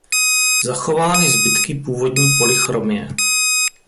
Zachovány zbytky původní polychromie.